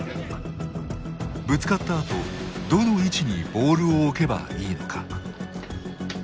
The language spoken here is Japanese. ぶつかったあと、どの位置にボールを置けばいいのか。